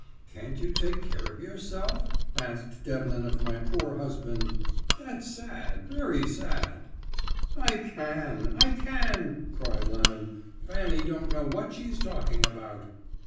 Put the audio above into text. "'Can't you take care of yourself?' asked Devlin of my poor husband. 'That's sad, very sad!' "'I can, I can,' cried Lemon. 'Fanny don't know what she's talking about.'